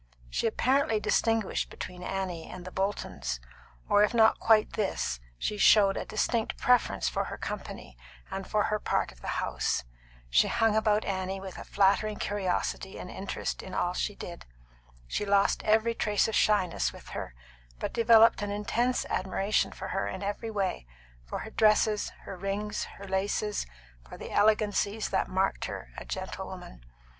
She apparently distinguished between Annie and the Boltons, or if not quite this, she showed a distinct preference for her company, and for her part of the house. She hung about Annie with a flattering curiosity and interest in all she did. She lost every trace of shyness with her, but developed an intense admiration for her in every way for her dresses, her rings, her laces, for the elegancies that marked her a gentlewoman.